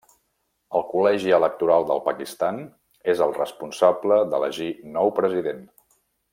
El Col·legi Electoral del Pakistan és el responsable d'elegir nou president.